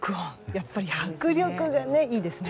やっぱり迫力がいいですね。